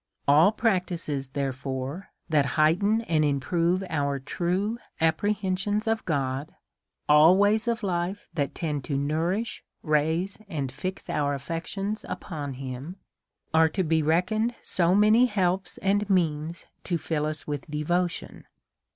AH practices, therefore, that heighten and improve our true apprehensions of God, all ways of life that tend to nourish, raise, and fix our affections upon him, are to be reckoned so many helps and means to fill us with devotion.